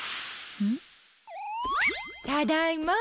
ただいま。